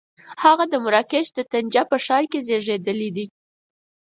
هغه د مراکش د طنجه په ښار کې زېږېدلی دی.